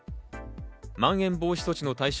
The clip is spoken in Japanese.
まん延防止措置の対象